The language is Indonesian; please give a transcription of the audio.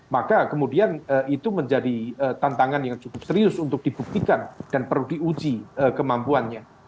maka kemudian itu menjadi tantangan yang cukup serius untuk dibuktikan dan perlu diuji kemampuannya